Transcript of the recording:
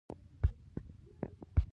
افغانستان په سیلابونه باندې تکیه لري.